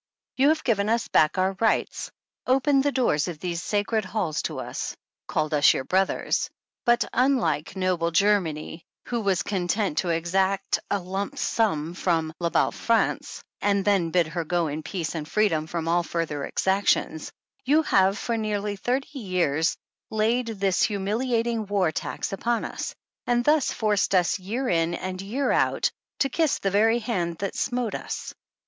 You have given us back our rights, opened the doors of these sacred halls to us, called us your brothers, but unlike noble Germany who was content to exact a lump sum from " la belle France," and then bid her go in peace and freedom from all further exactions, you have for nearly thirty years laid this humiliating war tax upon us, and thus forced us year in and year out to kiss the very hand that smote us.